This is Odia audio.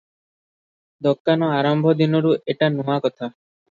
"ଦୋକାନ ଆରମ୍ଭ ଦିନରୁ ଏଟା ନୂଆକଥା ।